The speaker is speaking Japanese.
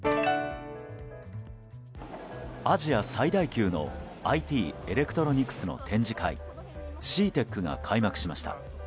アジア最大級のＩＴ・エレクトロニクスの展示会シーテックが開幕しました。